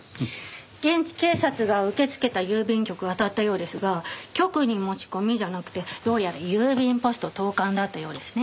現地警察が受け付けた郵便局をあたったようですが局に持ち込みじゃなくてどうやら郵便ポスト投函だったようですね。